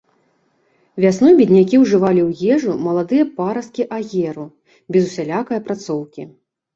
Вясной беднякі ўжывалі ў ежу маладыя парасткі аеру без усялякай апрацоўкі.